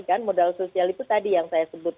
kan modal sosial itu tadi yang saya sebut